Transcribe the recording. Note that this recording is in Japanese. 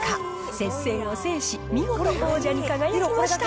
接戦を制し、見事、王者に輝きました。